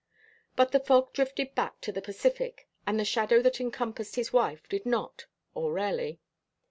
But the fog drifted back to the Pacific, and the shadow that encompassed his wife did not, or rarely.